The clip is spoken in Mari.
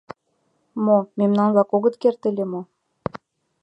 Мо, мемнан-влак огыт керт ыле мо?